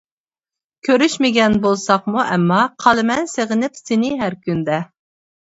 كۆرۈشمىگەن بولساقمۇ ئەمما، قالىمەن سېغىنىپ سېنى ھەر كۈندە.